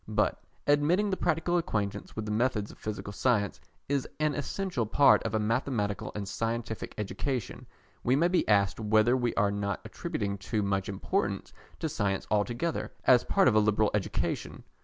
But admitting that a practical acquaintance with the methods of Physical Science is an essential part of a mathematical and scientific education, we may be asked whether we are not attributing too much importance to science altogether as part of a liberal education.